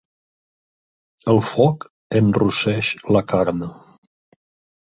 El foc enrosseix la carn.